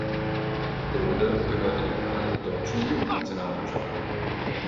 Rode gehörte dem Kader der deutschen Jugendnationalmannschaft an.